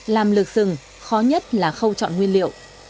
làm lược rừng khó nhất là khâu chọn nguyên liệu